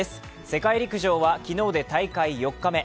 世界陸上は昨日で大会４日目。